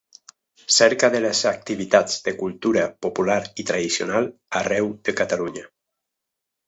Cerca de les activitats de cultura popular i tradicional arreu de Catalunya.